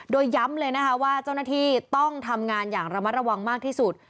โดยย้ำเลยนะคะว่าเจ้าหน้าที่ต้องทำงานอย่างระมัดระวังมากที่สุด